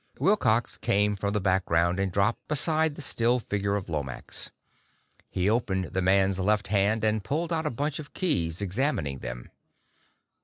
Wilcox came from the background and dropped beside the still figure of Lomax. He opened the man's left hand and pulled out a bunch of keys, examining them.